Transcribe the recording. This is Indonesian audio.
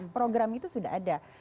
program itu sudah ada